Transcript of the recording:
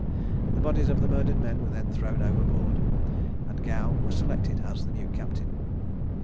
The bodies of the murdered men were then thrown overboard, and Gow was selected as the new captain.